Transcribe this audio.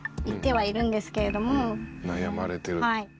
はい。